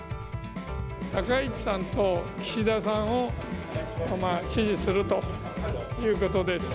高市さんと岸田さんを支持するということです。